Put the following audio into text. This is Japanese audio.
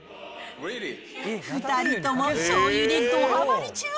２人ともしょうゆにどはまり中。